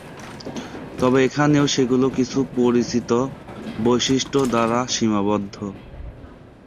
তবে এখানেও সেগুলো কিছু পরিচিত বৈশিষ্ট্য দ্বারা সীমাবদ্ধ।